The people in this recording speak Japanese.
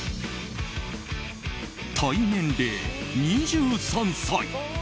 体年齢、２３歳。